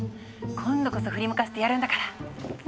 今度こそ振り向かせてやるんだから！